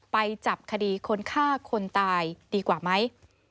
ไปจับคดีคนฆ่าคนตายดีกว่าไหม